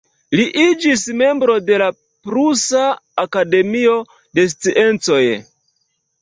Li iĝis membro de la Prusa Akademio de Sciencoj.